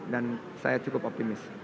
dan saya cukup optimis